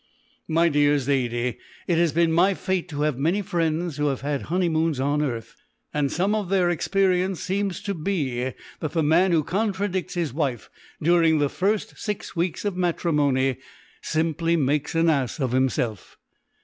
"My dear Zaidie, it has been my fate to have many friends who have had honeymoons on earth, and some of their experience seems to be that the man who contradicts his wife during the first six weeks of matrimony simply makes an ass of himself.